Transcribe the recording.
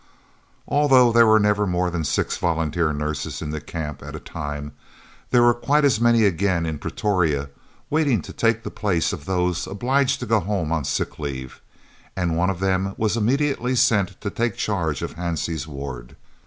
Although there were never more than six volunteer nurses in the Camp at a time, there were quite as many again in Pretoria, waiting to take the place of those obliged to go home on sick leave, and one of them was immediately sent to take charge of Hansie's ward.